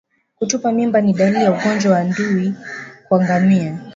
Kutupa mimba ni dalili ya ugonjwa wan dui kwa ngamia